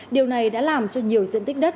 điều này đã làm cho nhiều diện tích đất